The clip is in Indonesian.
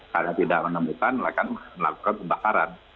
karena tidak menemukan mereka melakukan pembakaran